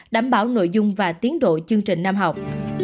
đảm bảo nội dung và tiến độ chương trình năm học